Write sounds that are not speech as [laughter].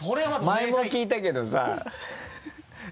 前も聞いたけどさ [laughs]